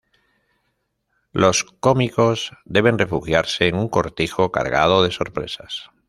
Los cómicos deben refugiarse en un cortijo cargado de sorpresas.